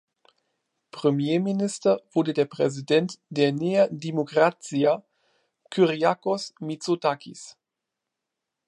Premierminister wurde der Präsident der Nea Dimokratia Kyriakos Mitsotakis.